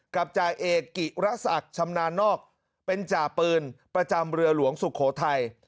จ่าเอกกิระศักดิ์ชำนาญนอกเป็นจ่าปืนประจำเรือหลวงสุโขทัย